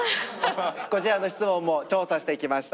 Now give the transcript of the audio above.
こちらの質問も調査してきました。